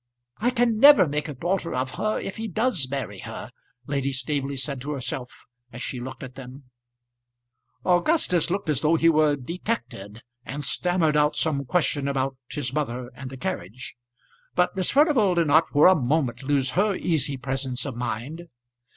"I can never make a daughter of her if he does marry her," Lady Staveley said to herself, as she looked at them. Augustus looked as though he were detected, and stammered out some question about his mother and the carriage; but Miss Furnival did not for a moment lose her easy presence of mind.